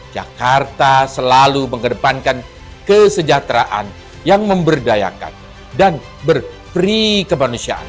jakarta selalu mengedepankan kesejahteraan yang memberdayakan dan berperi kemanusiaan